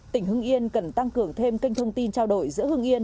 tỉnh hưng yên cần tăng cường thêm kênh thông tin trao đổi giữa hưng yên